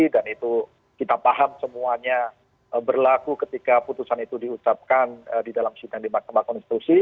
dan itu kita paham semuanya berlaku ketika putusan itu diucapkan di dalam sidang di mahkamah konstitusi